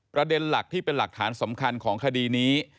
ประเด็นหลักที่เป็นหลักฐานสำคัญของคดีนี้